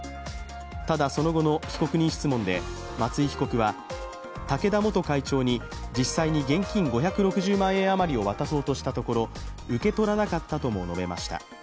ただ、その後の被告人質問で松井被告は竹田元会長に実際に現金５６０万円余りを渡そうとしたところ受け取らなかったとも述べました。